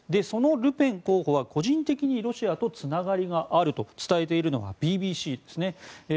そのルペン候補は個人的にロシアとつながりがあると伝えているのがＢＢＣです。